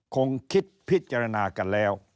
คงคิดพิจารณากันแล้ว